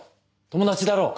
友達だろう。